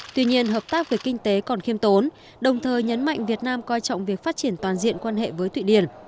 tuy nhiên hợp tác về kinh tế còn khiêm tốn đồng thời nhấn mạnh việt nam coi trọng việc phát triển toàn diện quan hệ với thụy điển